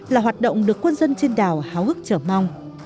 là hoạt động được quân dân trên đảo háo hức chờ mong